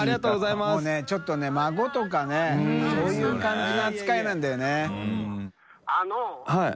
發Δちょっとね孫とかねそういう感じの扱いなんだよね。